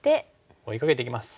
追いかけていきます。